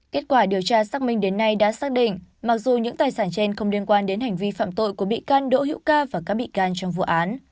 kết quả điều tra xác minh đến nay đã xác định mặc dù những tài sản trên không liên quan đến hành vi phạm tội của bị can đỗ hữu ca và các bị can trong vụ án